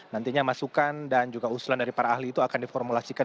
nantinya masukan dan juga usulan dari para ahli itu akan diformulasikan